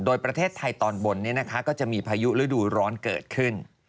โดยประเทศไทยตอนบนก็จะมีพายุฤดูร้อนเกิดขึ้น